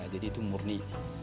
jadi itu murni